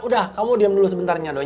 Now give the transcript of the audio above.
udah kamu diam dulu sebentarnya doi